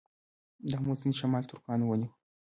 د امو سیند شمال ترکانو ونیو